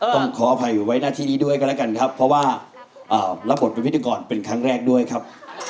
ต้องขออภัยไว้หน้าที่นี้ด้วยกันแล้วกันครับเพราะว่ารับบทเป็นพิธีกรเป็นครั้งแรกด้วยครับ